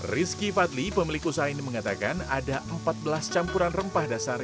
rizky fadli pemilik usaha ini mengatakan ada empat belas campuran rempah dasar